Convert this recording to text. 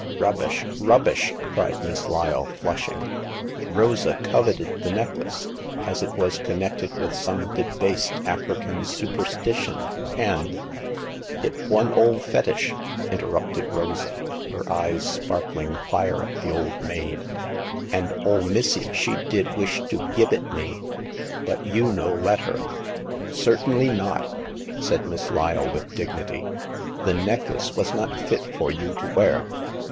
Rubbish, rubbish !" cried Miss Lyle, flush ing. Rosa coveted the necklace, as it was connected with some debased African supersti tion, and "It one ole fetish !" interrupted Rosa, her eyes sparkling fire at the old maid, and ole missy she did wish to gib it me, but you no let her." Certainly not !"' said Miss Lyle, with dignity. "The necklace was not fit for you to wear.